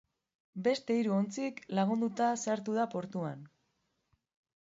Beste hiru ontzik lagunduta sartu da portuan.